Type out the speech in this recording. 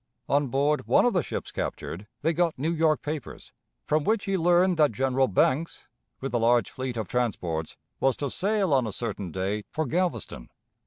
On board one of the ships captured they got New York papers, from which he learned that General Banks, with a large fleet of transports, was to sail on a certain day for Galveston.